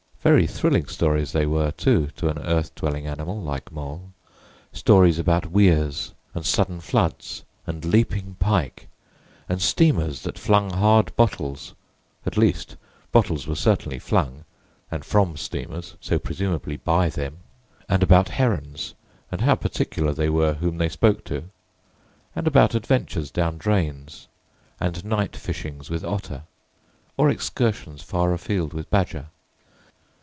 Very thrilling stories they were, too, to an earth dwelling animal like Mole. Stories about weirs, and sudden floods, and leaping pike, and steamers that flung hard bottles—at least bottles were certainly flung, and from steamers, so presumably by them; and about herons, and how particular they were whom they spoke to; and about adventures down drains, and night fishings with Otter, or excursions far a field with Badger.